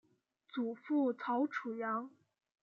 祖父曹楚阳。